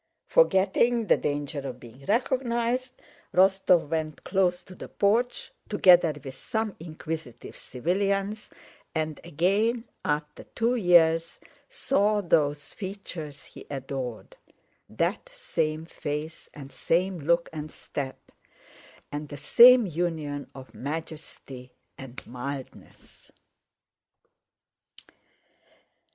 Forgetting the danger of being recognized, Rostóv went close to the porch, together with some inquisitive civilians, and again, after two years, saw those features he adored: that same face and same look and step, and the same union of majesty and mildness....